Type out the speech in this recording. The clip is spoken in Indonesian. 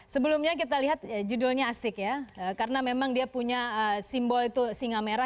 sebelumnya kita lihat judulnya asik ya karena memang dia punya simbol itu singa merah